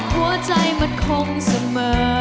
หัวใจมันคงเสมอ